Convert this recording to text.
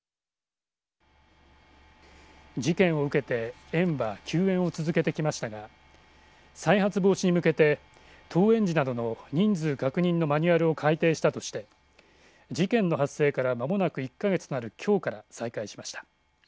事件を受けて園は休園を続けてきましたが再発防止に向けて登園時などの人数確認のマニュアルを改訂したとして事件の発生から間もなく１か月となるきょうから再開しました。